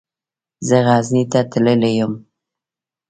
زه غزني ته تللی يم.